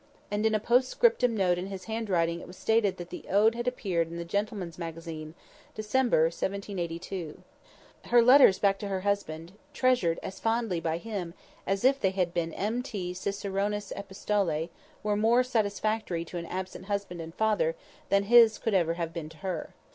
And in a post scriptum note in his handwriting it was stated that the Ode had appeared in the Gentleman's Magazine, December 1782. Her letters back to her husband (treasured as fondly by him as if they had been M. T. Ciceronis Epistolæ) were more satisfactory to an absent husband and father than his could ever have been to her.